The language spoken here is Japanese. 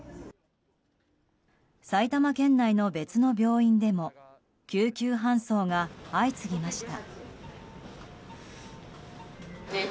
埼玉県内の別の病院でも救急搬送が相次ぎました。